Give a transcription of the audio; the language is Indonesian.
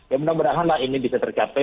ya mudah mudahan lah ini bisa tercapai